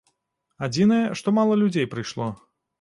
Адзінае, што мала людзей прыйшло.